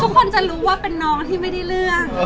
คนจะรู้ว่าเป็นน้องที่ไม่ได้เรื่อง